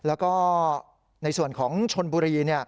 แล้วก็ในส่วนของชนบุรี